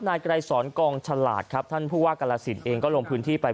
นายไกรสอนกองฉลาดครับท่านผู้ว่ากรสินเองก็ลงพื้นที่ไป